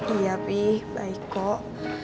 iya pi baik kok